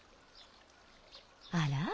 あら？